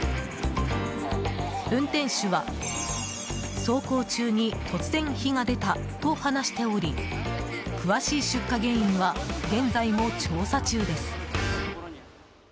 運転手は、走行中に突然火が出たと話しており詳しい出火原因は現在も調査中です。